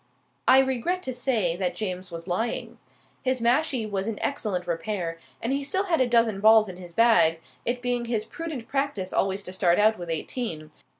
I regret to say that James was lying. His mashie was in excellent repair, and he still had a dozen balls in his bag, it being his prudent practice always to start out with eighteen.